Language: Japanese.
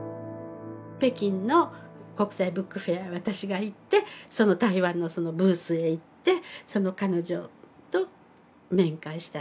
北京の国際ブックフェアへ私が行ってその台湾のブースへ行って彼女と面会したんです。